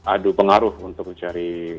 adu pengaruh untuk mencari